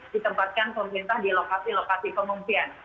ditempatkan pemerintah di lokasi lokasi pengungsian